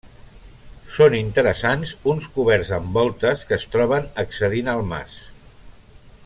Són interessants uns coberts amb voltes que es troben accedint al mas.